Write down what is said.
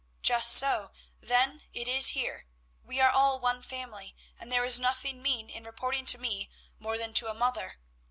"Just so, then, it is here; we are all one family, and there is nothing mean in reporting to me, more than to a mother.